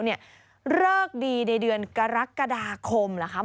เลิกดีในเดือนกรกฎาคมเหรอคะ